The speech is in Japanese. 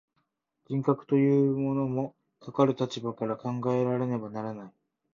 人格というものも、かかる立場から考えられねばならない。